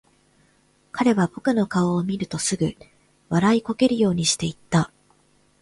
彼は僕の顔を見るとすぐ、笑いこけるようにして言った。